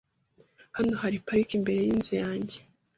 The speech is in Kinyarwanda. Hano hari parike imbere yinzu yanjye .